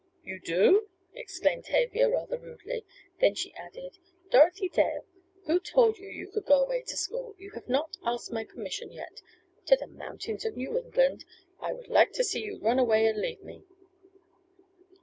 "You do!" exclaimed Tavia rather rudely. Then she added: "Dorothy Dale, who told you you could go away to school? You have not asked my permission yet. To the mountains of New England! I would like to see you run away and leave me!"